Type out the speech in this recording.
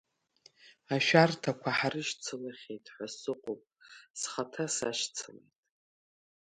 Ашәарҭақәа ҳрышьцылахьеит ҳәа сыҟоуп, схаҭа сашьцылеит.